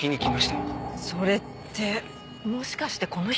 それってもしかしてこの人？